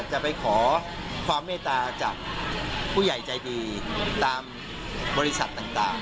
จะไปขอความเมตตาจากผู้ใหญ่ใจดีตามบริษัทต่าง